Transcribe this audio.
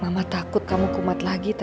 mama takut kamu kumat lagi tadi ya